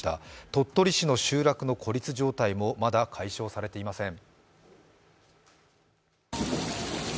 鳥取市の集落の孤立状態もまだ解消されていません。